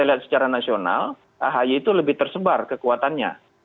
kita lihat secara nasional ahy itu lebih tersebar kekuatannya